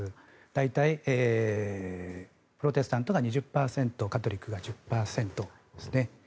大体プロテスタントが２０％カトリックが１０％ですね。